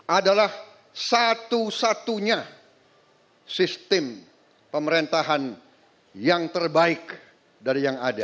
adalah satu satunya sistem pemerintahan yang terbaik dari yang ada